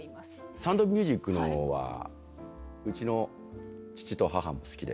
「サウンド・オブ・ミュージック」はうちの父と母も好きで。